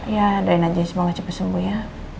ya adain aja semoga cepat sembuh ya